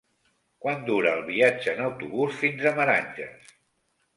Quant dura el viatge en autobús fins a Meranges?